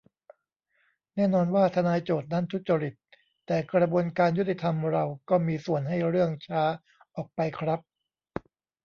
แน่นอนว่าทนายโจทก์นั้นทุจริต แต่กระบวนการยุติธรรมเราก็มีส่วนให้เรื่องช้าออกไปครับ